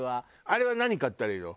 あれは何買ったらいいの？